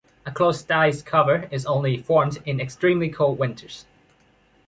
A closed ice cover is only formed in extremely cold winters.